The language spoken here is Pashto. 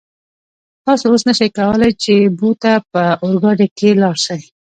تاسو اوس نشئ کولای چې بو ته په اورګاډي کې لاړ شئ.